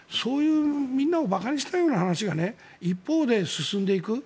みんなを馬鹿にしたような話が一方で進んでいく。